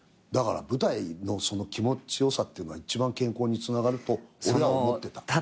だから舞台のその気持ち良さっていうのは一番健康につながると俺は思ってた。